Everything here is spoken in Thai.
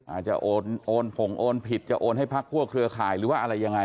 อาจจะโอนผงโอนผิดจะโอนให้พักพวกเครือข่ายหรือว่าอะไรยังไง